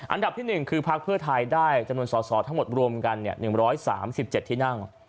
อันดับที่๑คือพักเพื่อไทยได้จำนวนสอสอทั้งหมดรวมกัน๑๓๗ที่นั่ง